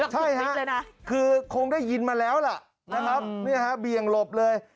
ใช่ฮะคือคงได้ยินมาแล้วล่ะนะครับเบี่ยงหลบเลย